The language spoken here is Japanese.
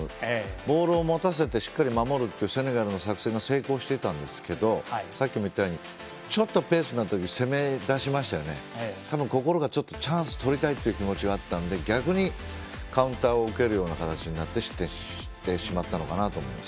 ボールを持たせてしっかり守るというセネガルの作戦が成功してたんですけどさっきも言ったようにちょっとペースになった時に多分、心がチャンスとりたいって気持ちがあったので逆にカウンターを受けるような形になって失点してしまったのかなと思います。